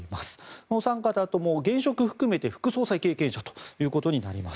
このお三方とも現職を含めて副総裁経験者ということになります。